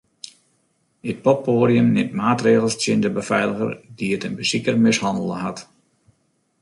It poppoadium nimt maatregels tsjin de befeiliger dy't in besiker mishannele hat.